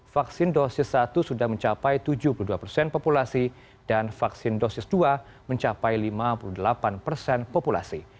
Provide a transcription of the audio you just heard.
vaksin dosis satu sudah mencapai tujuh puluh dua persen populasi dan vaksin dosis dua mencapai lima puluh delapan persen populasi